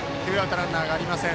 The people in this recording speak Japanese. ランナーありません。